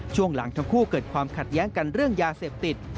ช่วงหลังทั้งคู่เกิดความขัดแย้งกันเรื่องยาเสพติด